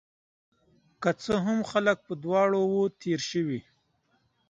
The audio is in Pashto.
که څه هم، خلک په دواړو وو تیر شوي